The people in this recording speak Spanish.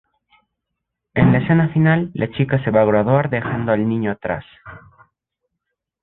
En la escena final la chica se va a graduar dejando al niño atrás.